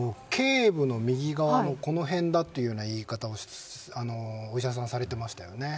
頸部の右側のこの辺だという言い方をお医者さんはされてました。